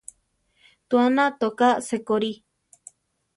Tuána toká sekorí.